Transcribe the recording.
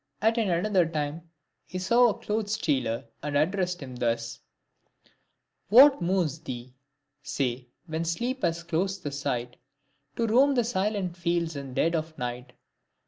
At another time, he saw a clothes' stealer, and addressed him thus :— What moves thee, say, when sleep has clos'd the sight, To roam the silent fields in dead of night